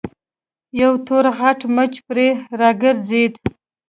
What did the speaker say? يو تور غټ مچ پرې راګرځېد.